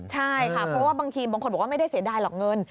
ใช่ค่ะเพราะว่าบางทีบางคนบอกว่าไม่ได้เสียดายหรอกเงิน